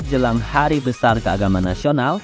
jelang hari besar keagamaan nasional